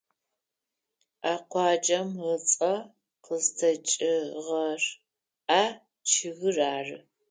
А къуаджэм ыцӏэ къызтекӏыгъэр а чъыгыр ары.